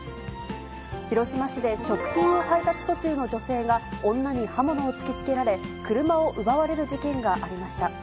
広島市で食品を配達途中の女性が、女に刃物を突きつけられ、車を奪われる事件がありました。